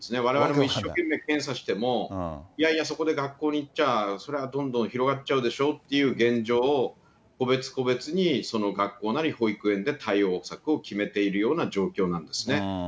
われわれ医師が一生懸命検査しても、いやいやそこで学校に行っちゃ、それはどんどん広がっちゃうでしょっていう現状を、個別、個別にその学校なり、保育園で対応策を決めているような状況なんですね。